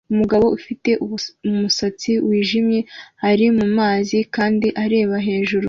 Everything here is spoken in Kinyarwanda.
Umuhungu ufite umusatsi wijimye ari mumazi kandi areba hejuru